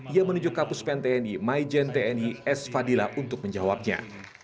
ia menunjuk kapus pen tni maijen tni s fadilla untuk menjawabnya